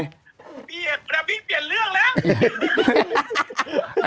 พี่หนักพี่เปลี่ยนเรื่องแล้ว